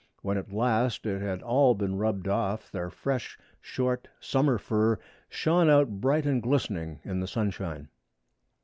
When at last it had all been rubbed off their fresh short, summer fur shone out bright and glistening in the sunshine.